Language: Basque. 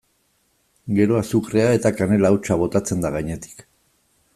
Gero azukrea eta kanela hautsa botatzen da gainetik.